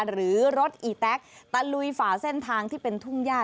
หรือรถอีแต๊กตะลุยฝ่าเส้นทางที่เป็นทุ่งย่า